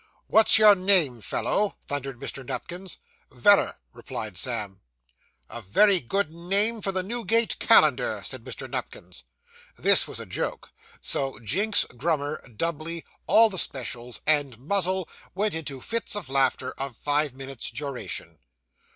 'What's your name, fellow?' thundered Mr. Nupkins. 'Veller,' replied Sam. 'A very good name for the Newgate Calendar,' said Mr. Nupkins. This was a joke; so Jinks, Grummer, Dubbley, all the specials, and Muzzle, went into fits of laughter of five minutes' duration.